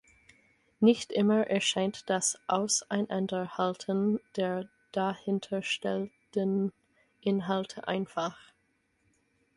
Nicht immer erscheint das Auseinanderhalten der dahinterstehenden Inhalte einfach.